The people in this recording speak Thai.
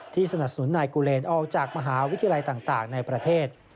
สนับสนุนนายกูเลนออกจากมหาวิทยาลัยต่างในประเทศ